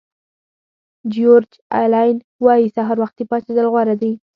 جیورج الین وایي سهار وختي پاڅېدل غوره دي.